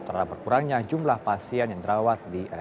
terhadap berkurangnya jumlah pasien yang dirawat di as